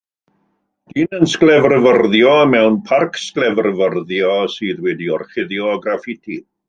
Dyn yn sglefrfyrddio mewn parc sglefrfyrddio sydd wedi'i orchuddio â graffiti.